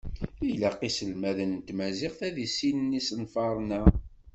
Ilaq iselmaden n tmaziɣt ad issinen isenfaṛen-a.